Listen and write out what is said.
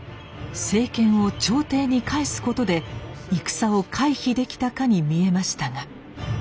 政権を朝廷に返すことで戦を回避できたかに見えましたが。